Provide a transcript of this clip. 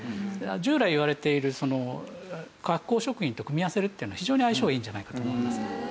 従来いわれている発酵食品と組み合わせるっていうのは非常に相性がいいんじゃないかと思います。